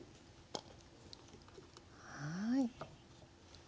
はい。